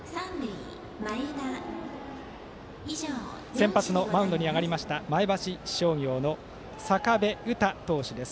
先発のマウンドに上がりました前橋商業の坂部羽汰投手です。